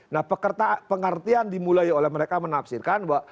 nah pengertian dimulai oleh mereka menafsirkan bahwa